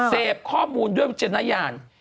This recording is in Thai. เสพข้อมูลด้วยจริงอย่าง